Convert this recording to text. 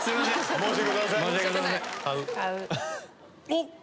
おっ。